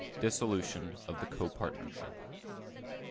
Dissolution of the Copartnership.